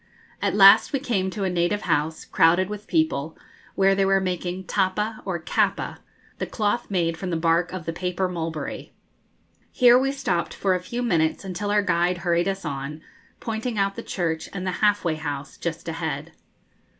At last we came to a native house, crowded with people, where they were making tappa or kapa the cloth made from the bark of the paper mulberry. Here we stopped for a few minutes until our guide hurried us on, pointing out the church and the 'Half way House' just ahead.